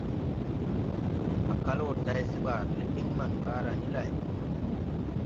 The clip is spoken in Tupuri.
A kal wo tay se ɓaara le ɓiŋ maŋ ɓaara ni lay.